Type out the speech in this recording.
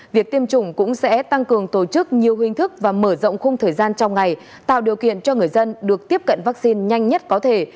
việc tiêm chủng cũng sẽ tăng cường tổ chức nhiều hình thức và mở rộng khung thời gian trong ngày tạo điều kiện cho người dân được tiếp cận vaccine nhanh nhất có thể